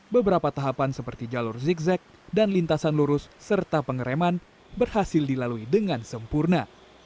beberapa tahapan seperti jalur zigzag dan lintasan lurus serta pengereman berhasil dilalui dengan sempurna